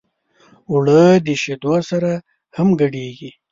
اوړه د شیدو سره هم ګډېږي